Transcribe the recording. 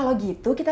lihat apa lukis dia